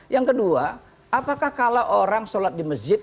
yang kedua apakah kalau orang sholat di masjid